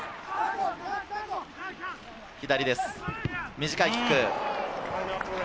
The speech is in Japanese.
短いキック。